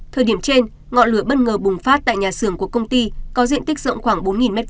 thời điểm trên ngọn lửa bất ngờ bùng phát tại nhà xưởng của công ty có diện tích rộng khoảng bốn m hai